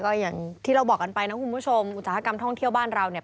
ก็อย่างที่เราบอกกันไปนะคุณผู้ชมอุตสาหกรรมท่องเที่ยวบ้านเราเนี่ย